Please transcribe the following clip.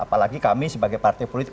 apalagi kami sebagai partai politik